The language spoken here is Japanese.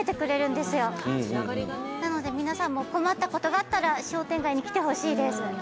なので皆さんも困ったことがあったら商店街に来てほしいです。